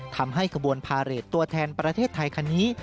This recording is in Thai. ขบวนพาเรทตัวแทนประเทศไทยคันนี้